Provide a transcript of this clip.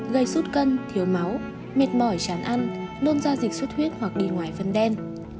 gây suất cân thiếu máu mệt mỏi chán ăn nôn ra dịch suất huyết hoặc đi ngoài phân đen